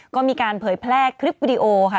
ก็มีการเผยแพร่คลิปวิดีโอค่ะ